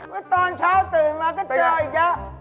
วันตอนเช้าตื่นมาก็เจอกันอีกยัง